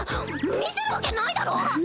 見せるわけないだろ！